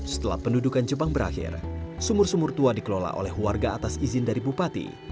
setelah pendudukan jepang berakhir sumur sumur tua dikelola oleh warga atas izin dari bupati